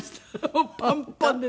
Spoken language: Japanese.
もうパンパンです。